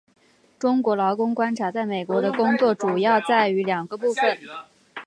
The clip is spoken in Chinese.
中国劳工观察在美国的工作主要在于两个部份。